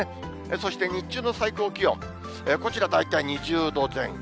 そして日中の最高気温、こちら、大体２０度前後。